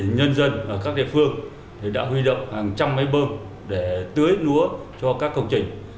nhân dân ở các địa phương đã huy động hàng trăm máy bơm để tưới lúa cho các công trình